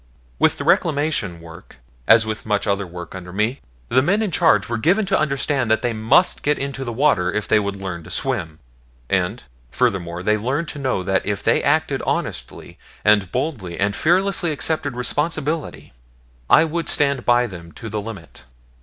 With the Reclamation work, as with much other work under me, the men in charge were given to understand that they must get into the water if they would learn to swim; and, furthermore, they learned to know that if they acted honestly, and boldly and fearlessly accepted responsibility, I would stand by them to the limit.